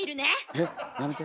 えっやめて。